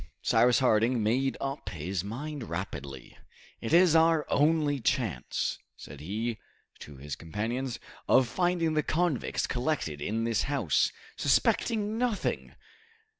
Cyrus Harding made up his mind rapidly. "It is our only chance," said he to his companions, "of finding the convicts collected in this house, suspecting nothing!